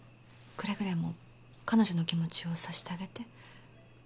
くれぐれも彼女の気持ちを察してあげて。